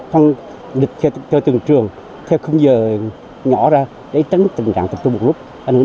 thông dịch cho từng trường theo không giờ nhỏ ra để tránh tình trạng tập trung một lúc